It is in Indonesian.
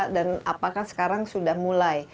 dan apakah sekarang sudah mulai